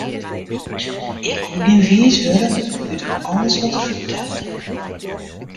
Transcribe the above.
Ik koe gjin wiis wurde út alles wat er fertelde.